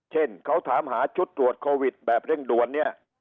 เช่นเขาถามหาชุดตรวจโควิดแบบเร่งด่วนเนี่ย